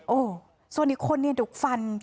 โอ้ส่วนอีกคนนี่ดุกฟัน